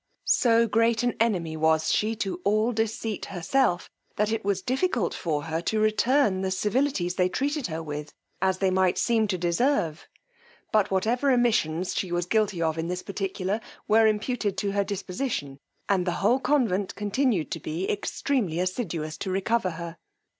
So great an enemy was she to all deceit herself, that it was difficult for her to return the civilities they treated her with, as they might seem to deserve; but whatever omissions she was guilty of in this particular, were imputed to her disposition; and the whole convent continued to be extremely assiduous to recover her.